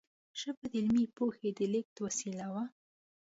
ژبه د علمي پوهې د لېږد وسیله وه.